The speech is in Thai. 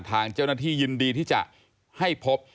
ทางเจ้าหน้าที่ยินดีที่จะให้พบ